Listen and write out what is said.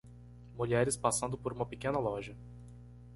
Mulheres passando por uma pequena loja.